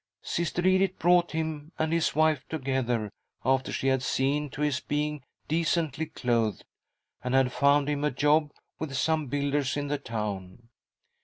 Sister Edith brought him and his wife together, after she had seen to his being decently clothed, and had found him a job with some builders in the town.